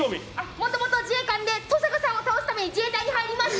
もともと自衛官で登坂さんを倒すために自衛隊に入りました。